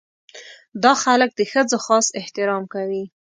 دا خلک د ښځو خاص احترام کوي.